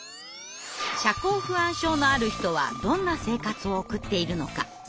社交不安症のある人はどんな生活を送っているのか。